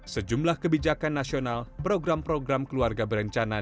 sejumlah kebijakan nasional program program keluarga berencana